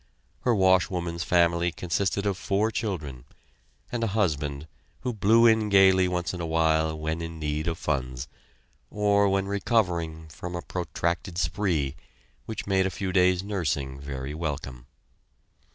Her washwoman's family consisted of four children, and a husband who blew in gaily once in a while when in need of funds, or when recovering from a protracted spree, which made a few days' nursing very welcome.